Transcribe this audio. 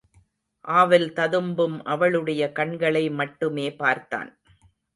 ஆவல் ததும்பும் அவளுடைய கண்களை மட்டுமே பார்த்தான்.